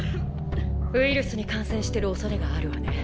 ウイルスに感染してるおそれがあるわね。